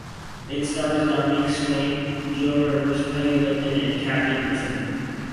It stars Dominique Swain, Joan Rivers, Peggy Lipton and Kathy Griffin.